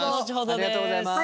ありがとうございます。